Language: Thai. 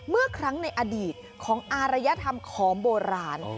เมื่อครั้งในอดีตของอารยธรรมของโบราณ